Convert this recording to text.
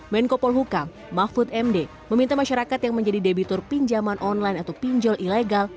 menko polhukam mahfud md meminta masyarakat yang menjadi debitur pinjaman online atau pinjol ilegal